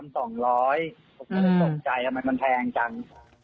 ผมก็เลยตกใจทำไมมันแพงจัง